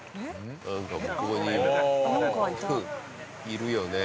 いるよね。